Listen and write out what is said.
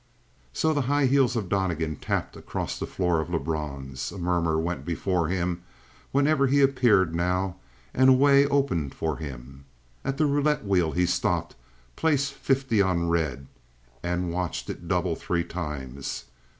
So the high heels of Donnegan tapped across the floor of Lebrun's. A murmur went before him whenever he appeared now, and a way opened for him. At the roulette wheel he stopped, placed fifty on red, and watched it double three times.